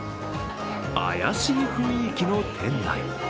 怪しい雰囲気の店内。